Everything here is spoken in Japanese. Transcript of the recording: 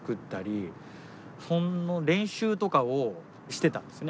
その練習とかをしてたんですね